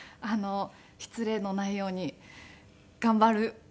失礼のないように頑張るね。